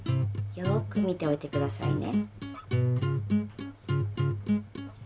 よく見ておいて下さいね。